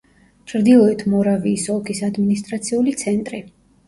ჩრდილოეთ მორავიის ოლქის ადმინისტრაციული ცენტრი.